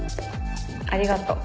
ありがとう。